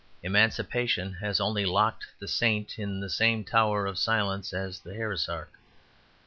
Emancipation has only locked the saint in the same tower of silence as the heresiarch.